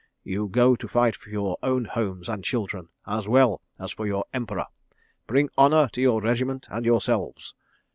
You go to fight for your own homes and children, as well as for your Emperor. Bring honour to your regiment and yourselves.